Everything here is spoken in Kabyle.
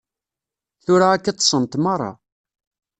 Tura akka ṭṭsent merra.